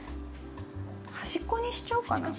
端っこにしちゃおうかな。